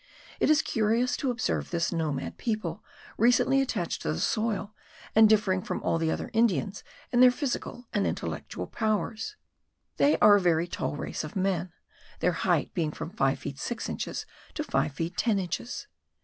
It is curious to observe this nomad people, recently attached to the soil, and differing from all the other Indians in their physical and intellectual powers. They are a very tall race of men, their height being from five feet six inches, to five feet ten inches.